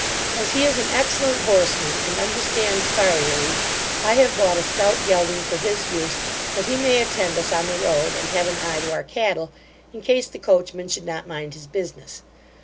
As he is an excellent horseman, and understands farriery, I have bought a stout gelding for his use, that he may attend us on the road, and have an eye to our cattle, in case the coachman should not mind his business.